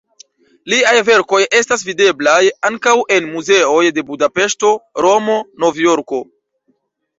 Liaj verkoj estas videblaj ankaŭ en muzeoj de Budapeŝto, Romo, Novjorko.